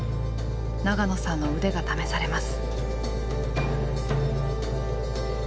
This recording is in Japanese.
長野さんの腕が試されます。